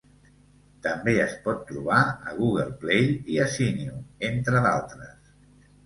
També es pot trobar a Google Play i a Zinio, entre d'altres.